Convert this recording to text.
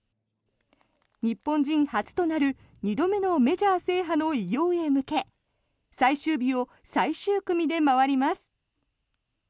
日本人初となる２度目のメジャー制覇の偉業へ向け最終日を最終組で回ります。